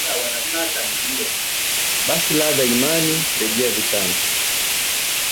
Basi laza imani, rejea vitani